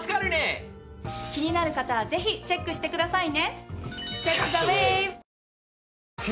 気になる方はぜひチェックしてくださいね。